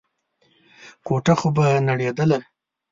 کوټه خو به نړېدله.